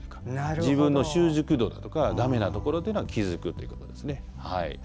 自分の習熟度だとかだめなところっていうのを気づくということですね。